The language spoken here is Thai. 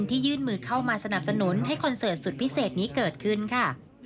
ยื่นมือเข้ามาสนับสนุนให้คอนเสิร์ตสุดพิเศษนี้เกิดขึ้นค่ะ